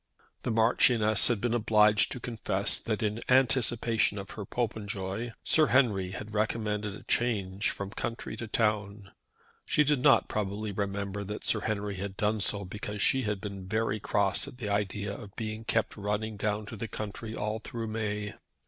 The Marchioness had been obliged to confess that, in anticipation of her Popenjoy, Sir Henry had recommended a change from the country to town. She did not probably remember that Sir Henry had done so because she had been very cross at the idea of being kept running down to the country all through May.